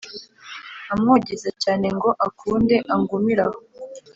Nkamwogeza cyane Ngo akunde angumire aho